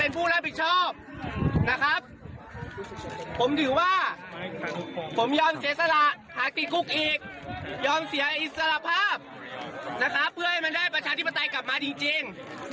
ผมถือว่าผมยอมเสียสละหากติดกุ๊กอีกยอมเสียอิสระภาพเพื่อให้มันได้ประชาธิปไตยกลับมาจริง